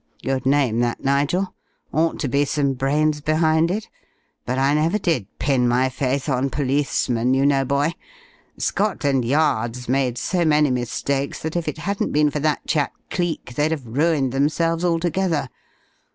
"H'm. Good name that, Nigel. Ought to be some brains behind it. But I never did pin my faith on policemen, you know, boy. Scotland Yard's made so many mistakes that if it hadn't been for that chap Cleek, they'd have ruined themselves altogether.